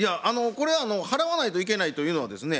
これ払わないといけないというのはですね